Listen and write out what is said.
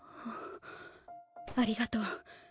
ありがとう。